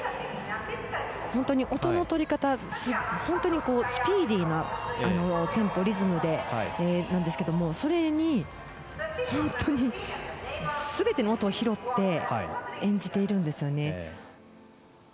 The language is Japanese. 本当に音の取り方、スピーディーなテンポ、リズムなんですけれど、それにすべての音を拾って演じているんですよね。